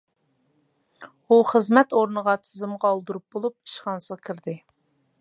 ئۇ خىزمەت ئورنىغا تىزىمغا ئالدۇرۇپ بولۇپ ئىشخانىسىغا كىردى.